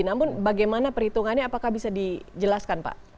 namun bagaimana perhitungannya apakah bisa dijelaskan pak